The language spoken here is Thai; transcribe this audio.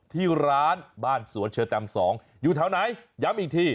ที่ร้านบ้านสวนเชอร์แตม๒อยู่แถวไหนย้ำอีกที